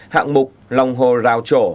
hạng mục lòng hồ rào trổ